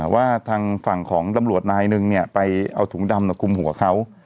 ว่าทางฝั่งของตำรวจนายนึงไปเอาถุงดำคุมหัวเขา